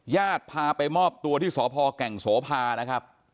ญาติพาไปมอบตัวที่สพแก่งโสภานะครับ